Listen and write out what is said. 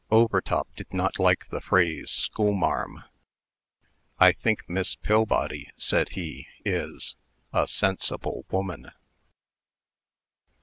Overtop did not like the phrase "schoolmarm." "I think Miss Pillbody," said he, "is a sensible woman."